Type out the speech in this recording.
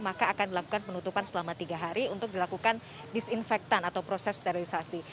maka akan dilakukan penutupan selama tiga hari untuk dilakukan disinfektan atau proses sterilisasi